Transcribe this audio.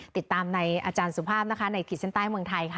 ติดตามในอาจารย์สุภาพนะคะในขีดเส้นใต้เมืองไทยค่ะ